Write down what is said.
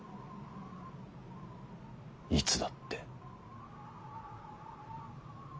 いつだって。